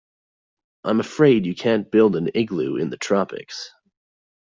I'm afraid you can't build an igloo in the tropics.